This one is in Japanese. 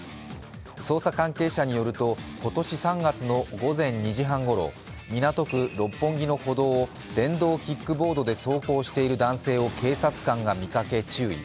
捜査関係者によると、今年３月の午前２時半ごろ港区六本木の歩道を電動キックボードで走行している男性を警察官が見かけ、注意。